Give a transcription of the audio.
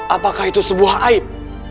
apakah itu sebuah aib